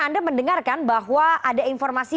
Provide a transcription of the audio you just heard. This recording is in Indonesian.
anda mendengarkan bahwa ada informasi